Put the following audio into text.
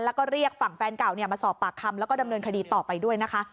แล้วก็เรียกฝั่งแฟนเก่ามาสอบปากคำแล้วก็ดำเนินคดีต่อไปด้วยนะคะ